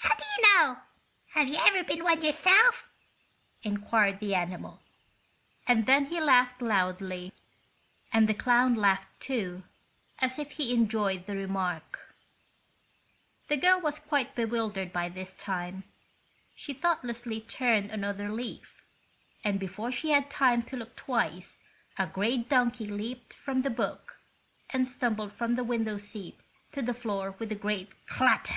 "How do you know? Have you ever been one yourself?" inquired the animal; and then he laughed loudly, and the clown laughed, too, as if he enjoyed the remark. The girl was quite bewildered by this time. She thoughtlessly turned another leaf, and before she had time to look twice a gray donkey leaped from the book and stumbled from the window seat to the floor with a great clatter.